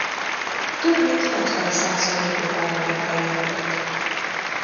Több mint hatvan százalékuk amerikai volt.